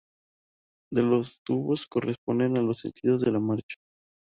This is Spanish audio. Dos de los tubos corresponden a los sentidos de la marcha.